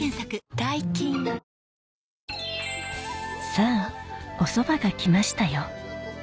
さぁおそばが来ましたよ